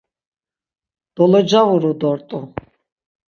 Dolocavuru dort̆u.